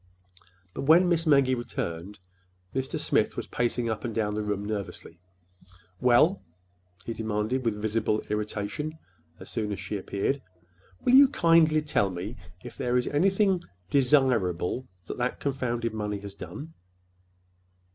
But when Miss Maggie returned, Mr. Smith was pacing up and down the room nervously. "Well," he demanded with visible irritation, as soon as she appeared, "will you kindly tell me if there is anything—desirable—that that confounded money has done?"